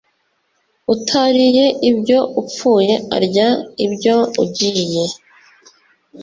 utariye ibyo upfuye arya ibyo ugiye